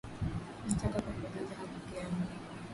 Nataka kuendeleza hadithi yangu.